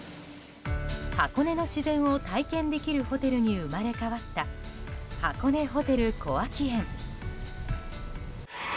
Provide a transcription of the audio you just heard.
箱根の自然を体験できるホテルに生まれ変わった箱根ホテル小涌園。